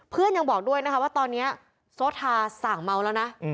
เพื่อนยังบอกด้วยว่าตอนนี้โซธาสั่งเมาแล้วนะ